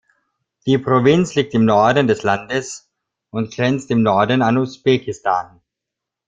Die Provinz liegt im Norden des Landes und grenzt im Norden an Usbekistan.